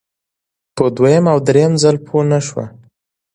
په دویم او دریم ځل چې نشوه.